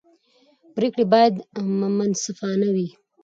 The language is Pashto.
پرېکړې باید منصفانه وي